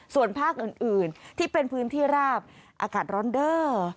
ส่วนภาคอื่นที่เป็นพื้นที่ราบอากาศร้อนเด้อ